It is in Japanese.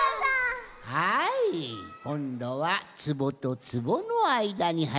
はいこんどはつぼとつぼのあいだにはいってみたぞ。